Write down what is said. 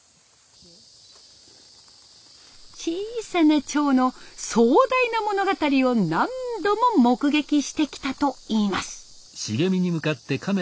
小さなチョウの壮大な物語を何度も目撃してきたといいます。